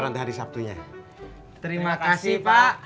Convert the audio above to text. terima kasih pak